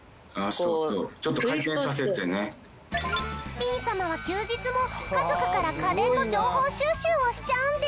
ピン様は休日も家族から家電の情報収集をしちゃうんです。